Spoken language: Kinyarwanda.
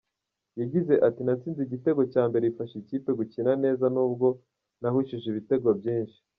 Yagize ati “Natsinze igitego cya mbere bifasha ikipe gukina neza nubwo nahushije ibitego byinshi.